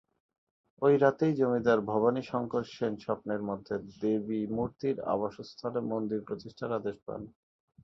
ঐ রাতেই জমিদার ভবানী শঙ্কর সেন স্বপ্নের মধ্যে দেবী মূর্তির আবাসস্থলে মন্দির প্রতিষ্ঠার আদেশ পান।